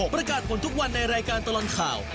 ประกาศผลทุกวันในรายการตลอดข่าว